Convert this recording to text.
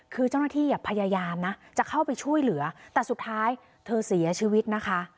คือเจ้าหน้าที่พยายามนะจะเข้าไปช่วยเหลือแต่สุดท้ายเธอเสียชีวิตนะคะ